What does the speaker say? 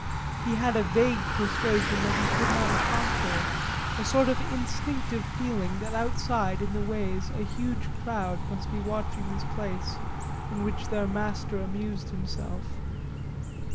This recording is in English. He had a vague persuasion that he could not account for, a sort of instinctive feeling that outside in the ways a huge crowd must be watching this place in which their Master amused himself.